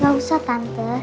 gak usah tante